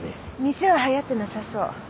店ははやってなさそう。